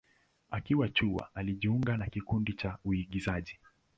Akiwa chuo, alijiunga na kikundi cha uigizaji.